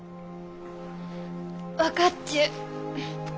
分かっちゅう。